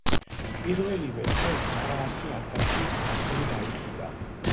პიველივე დღეს ცხრაასი ათასი ასლი გაიყიდა.